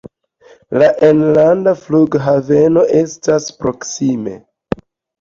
La enlanda flughaveno estas proksime.